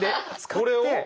これを？